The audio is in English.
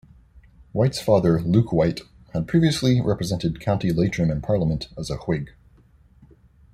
White's father Luke White had previously represented County Leitrim in Parliament as a Whig.